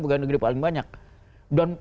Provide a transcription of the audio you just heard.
pegawai negeri paling banyak dan